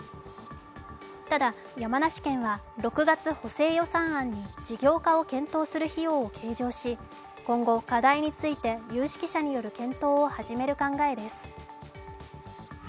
ただ山梨県は６月補正予算案に事業化を検討する費用を計上し今後、課題について有識者による検討を始める考えです。